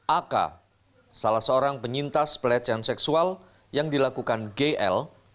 ak salah seorang penyintas pelecehan seksual yang dilakukan gl